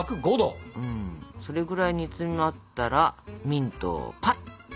それぐらい煮詰まったらミントをパッと。